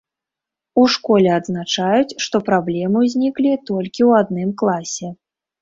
У школе адзначаюць, што праблемы ўзніклі толькі ў адным класе.